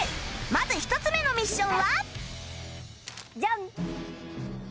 まず１つ目のミッションは？